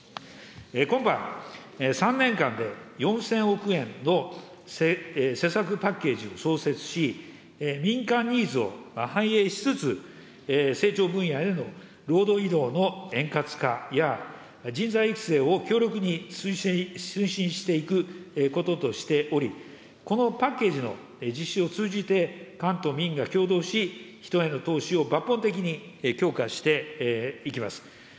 今般、３年間で４０００億円の施策パッケージを創設し、民間ニーズを反映しつつ、成長分野への労働移動の円滑化や、人材育成を強力に推進していくこととしており、このパッケージの実施を通じて、官と民が協働し、人への投資を抜本的に強化していきます。